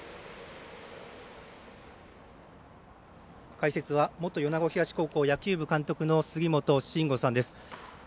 解説は元米子東高校監督の杉本真吾さんです。